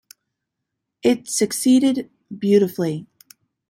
It succeeded beautifully.